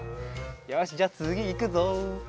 よしじゃあつぎいくぞ。